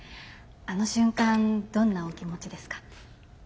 あの瞬間どんなお気持ちですか？